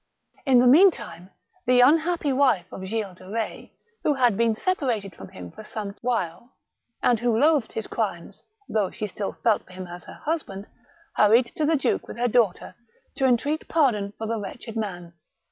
In the meantime, the unhappy wife of Gilles de Betz, who had been separated from him for some while, and who loathed his crimes, though she still felt for him as her husband, hurried to the duke with her daughter to entreat pardon for the wretched man.